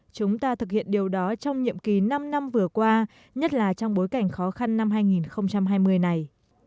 chúng ta thực hiện điều đó trong nhiệm kỳ năm năm vừa qua nhất là trong bối cảnh khó khăn năm hai nghìn hai mươi này